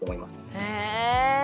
へえ。